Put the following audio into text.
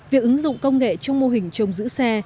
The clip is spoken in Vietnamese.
việc ứng dụng công nghệ trong mô hình trồng giữ xe